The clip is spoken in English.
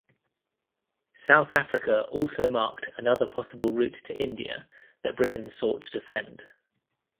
South Africa also marked another possible route to India that Britain sought to defend.